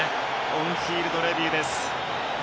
オンフィールドレビューです。